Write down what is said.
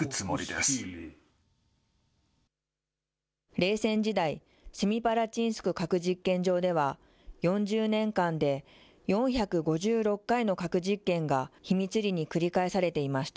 冷戦時代、セミパラチンスク核実験場では、４０年間で４５６回の核実験が秘密裏に繰り返されていました。